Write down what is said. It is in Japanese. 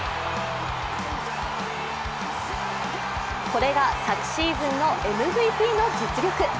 これが昨シーズンのＭＶＰの実力。